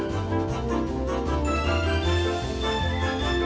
ผู้รักชื่ออะไรอีกมั้ย